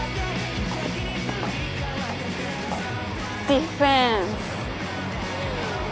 ディフェンス！